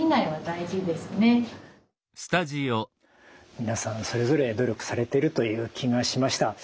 皆さんそれぞれ努力されてるという気がしました。